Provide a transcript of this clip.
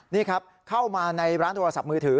นี่ครับเข้ามาในร้านโทรศัพท์มือถือ